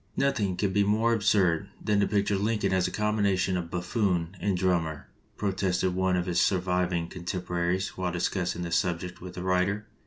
"Nothing can be more absurd than to picture Lincoln as a combination of buffoon and drum mer," protested one of his surviving contem poraries while discussing this subject with the writer.